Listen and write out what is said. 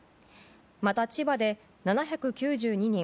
また、千葉で７９２人